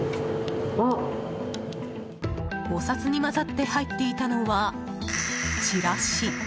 お札に交ざって入っていたのは、チラシ。